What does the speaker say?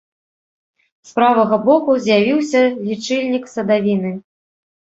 З правага боку з'явіўся лічыльнік садавіны.